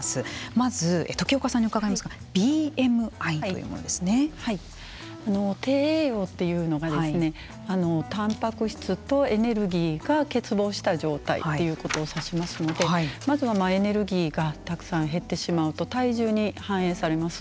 まず時岡さんに伺いますが低栄養というのがたんぱく質とエネルギーが欠乏した状態をということを指しますのでまずはエネルギーがたくさん減ってしまうと体重に反映されます。